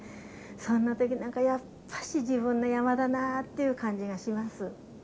そんな時なんかやっぱし自分の山だなっていう感じがします。